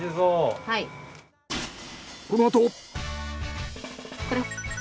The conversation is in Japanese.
このあと。